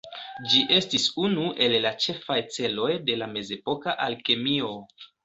Ĝi estis unu el la ĉefaj celoj de la mezepoka alkemio.